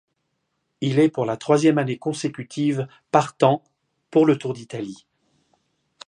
Il est pour la troisième année consécutive partant pour le Tour d'Italie.